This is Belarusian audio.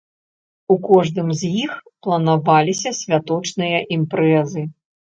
У кожным з іх планаваліся святочныя імпрэзы.